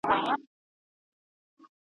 زه به مي څنګه په سیالانو کي عیدګاه ته ځمه `